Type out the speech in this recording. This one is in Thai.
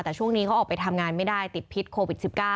แต่ช่วงนี้เขาออกไปทำงานไม่ได้ติดพิษโควิด๑๙